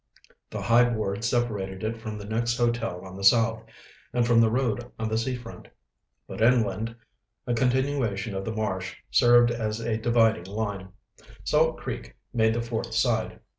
The high boards separated it from the next hotel on the south, and from the road on the sea front. But inland, a continuation of the marsh served as a dividing line. Salt Creek made the fourth side.